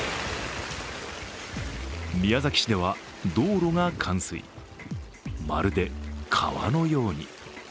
宮崎市では道路が冠水、まるで川のように。